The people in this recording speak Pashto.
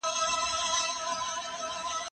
زه به سبزیحات پاخلي وي؟